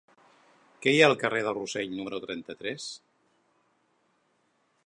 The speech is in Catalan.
Què hi ha al carrer de Rossell número trenta-tres?